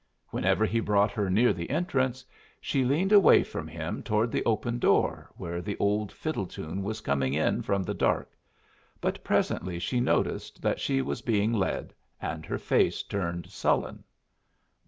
Whenever he brought her near the entrance, she leaned away from him toward the open door, where the old fiddle tune was coming in from the dark. But presently she noticed that she was being led, and her face turned sullen.